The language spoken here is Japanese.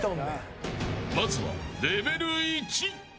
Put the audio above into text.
まずはレベル１。